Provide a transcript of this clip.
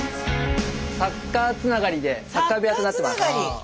サッカーつながりでサッカー部屋となってます。